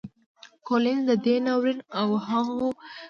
کولینز د دې ناورین او د هغو ملګرو